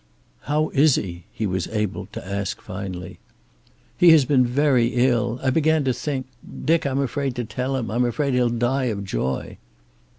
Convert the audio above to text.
"How is he?" he was able to ask finally. "He has been very ill. I began to think Dick, I'm afraid to tell him. I'm afraid he'll die of joy."